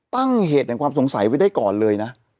ตั้งเหตุแห่งความสงสัยไว้ได้ก่อนเลยนะ